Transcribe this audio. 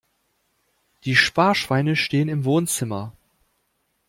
Die Sparschweine stehen im Wohnzimmer.